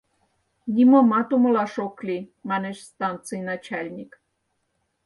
— Нимомат умылаш ок лий, — манеш станций начальник.